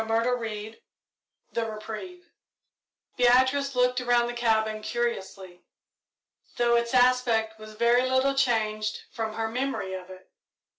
CHAPTER XXIV THE REPRIEVE Beatrice looked around the cabin curiously, though its aspect was very little changed from her memory of it.